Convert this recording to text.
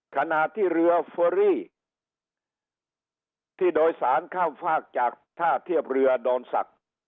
ขณะที่เรือเฟอรี่ที่โดยสารข้ามฝากจากท่าเทียบเรือดอนศักดิ์